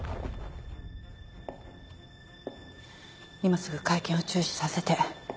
今すぐ会見を中止させて。